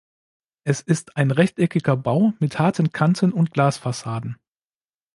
Es ist ein rechteckiger Bau mit harten Kanten und Glasfassaden.